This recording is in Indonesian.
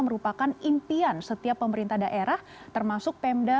merupakan impian setiap pemerintah daerah termasuk pemda